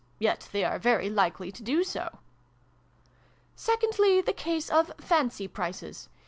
Yet they are very likely to do so. "Secondly, the case of 'fancy prices.'